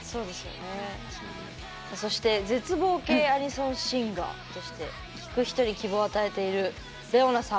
そして絶望系アニソンシンガーとして聴く人に希望を与えているＲｅｏＮａさん。